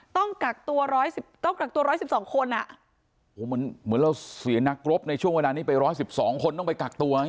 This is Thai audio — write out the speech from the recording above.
ต้องกักตัว๑๑๒คนมันเหมือนเราเสียนักรบในช่วงเวลานี้ไป๑๑๒คนต้องไปกักตัว